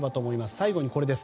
最後にこれです。